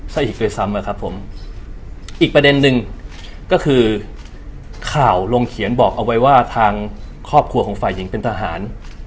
ซะอีกด้วยซ้ำอะครับผมอีกประเด็นหนึ่งก็คือข่าวลงเขียนบอกเอาไว้ว่าทางครอบครัวของฝ่ายหญิงเป็นทหาร